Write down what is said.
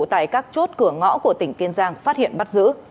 tại các chốt cửa ngõ của tỉnh kiên giang phát hiện bắt giữ